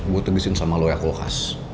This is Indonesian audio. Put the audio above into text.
gue tegesin sama lo ya kulkas